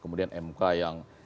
kemudian mk yang